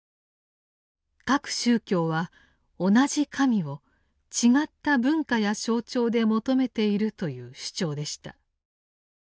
「各宗教は同じ神を違った文化や象徴で求めている」という主張でした。